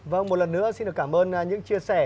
vâng một lần nữa xin được cảm ơn những chia sẻ